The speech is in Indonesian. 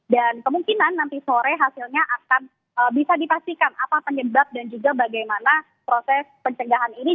dan kemungkinan nanti sore hasilnya akan bisa dipastikan apa penyebab dan juga bagaimana proses pencegahan ini